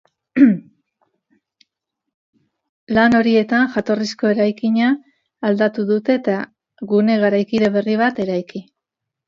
Lan horietan, jatorrizko eraikina aldatu dute eta gune garaikide berri bat eraiki.